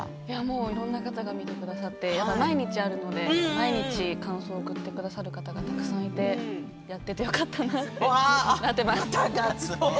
いろいろな方が見てくださって毎日あるので毎日感想を送ってくださる方がたくさんいてやっていてよかったなってなっています。